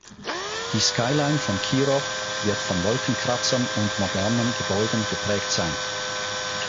Die Skyline von Kirov wird von Wolkenkratzern und modernen Gebäuden geprägt sein.